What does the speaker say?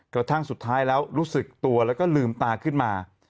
กระทั่งสุดท้ายแล้วรู้สึกตัวแล้วก็ลืมตาขึ้นมา